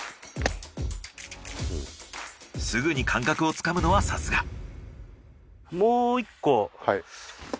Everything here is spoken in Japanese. すぐに感覚をつかむのはさすが。